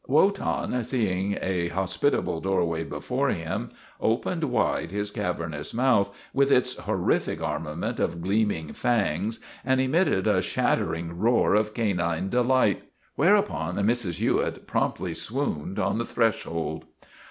Wotan, seeing a hospitable doorway before him, opened wide his cavernous mouth, with its horrific armament of gleaming fangs, and emit ted a shattering roar of canine delight. Where upon Mrs. Hewitt promptly swooned on the thresh old.